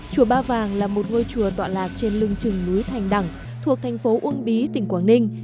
chùa ba vàng là một ngôi chùa tọa lạc trên lưng trừng núi thành đẳng thuộc thành phố uông bí tỉnh quảng ninh